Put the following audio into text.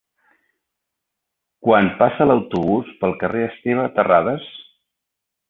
Quan passa l'autobús pel carrer Esteve Terradas?